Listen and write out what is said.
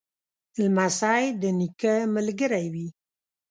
لمسی د نیکه ملګری وي.